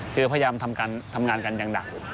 คือพยายามทำงานกันอย่างหนัก